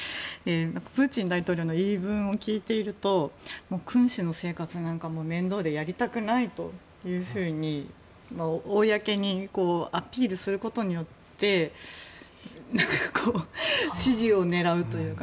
プーチン大統領の言い分を聞いていると君主の生活なんか面倒でやりたくないと公にアピールすることによって支持を狙うというか。